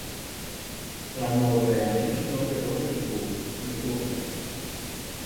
L'anorreament no perdona ningú, ni Turner.